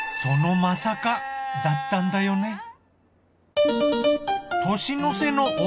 そのまさかだったんだよね